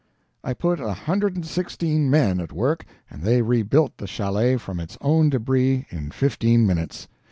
I put a hundred and sixteen men at work, and they rebuilt the chalet from its own debris in fifteen minutes.